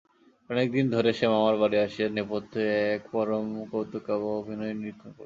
অনেক দিন পরে সে মামার বাড়ি আসিয়া নেপথ্য হইতে এক পরমকৌতুকাবহ অভিনয় নিরীক্ষণ করিতেছে।